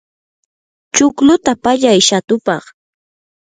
chuqluta pallay shatupaq.